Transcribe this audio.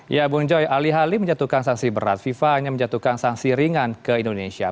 ya bung joy alih alih menjatuhkan sanksi berat fifa hanya menjatuhkan sanksi ringan ke indonesia